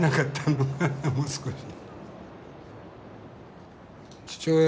もう少し。